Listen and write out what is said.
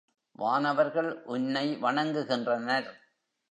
வானவர்கள் உன்னை வணங்குகின்றனர்.